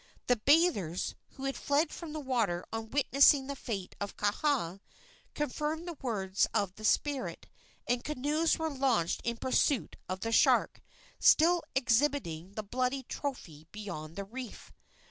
The bathers, who had fled from the water on witnessing the fate of Kaha, confirmed the words of the spirit, and canoes were launched in pursuit of the shark, still exhibiting his bloody trophy beyond the reef.